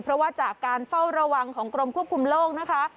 เพราะว่าจากการเฝ้าระวังของกรมควบคุมโลกนะคะ